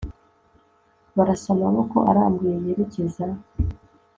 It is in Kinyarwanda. Barasa amaboko arambuye yerekeza